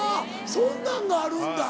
そんなんがあるんだ。